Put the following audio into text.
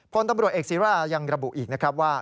พลตำรวจเอกศิรายังระบุอีกนะครับว่า